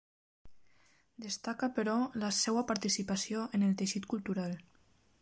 Destaca, però, la seva participació en el teixit cultural.